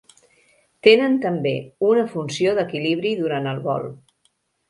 Tenen també una funció d’equilibri durant el vol.